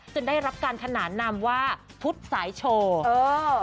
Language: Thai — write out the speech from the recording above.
ได้รับการขนานนำว่าพุทธสายโชว์เออ